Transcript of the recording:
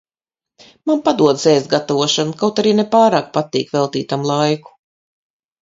Man padodas ēst gatavošana, kaut arī ne pārāk patīk veltīt tam laiku.